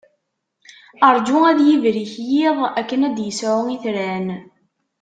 Ṛǧu ad yibrik yiḍ akken ad d-yesɛu itran.